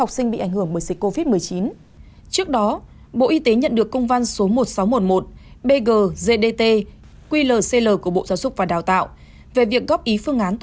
xin chào các bạn